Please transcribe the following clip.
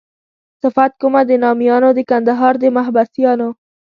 صفت کومه د نامیانو د کندهار د محبسیانو.